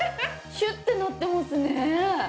シュッてなってますね。